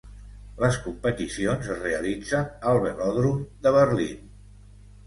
Les competicions es realitzen al Velòdrom de Berlín.